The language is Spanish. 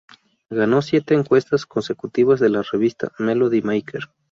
Ganó siete encuestas consecutivas de la revista "Melody Maker".